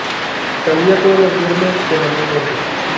Salía todos los viernes semanalmente.